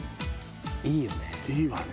いいよね。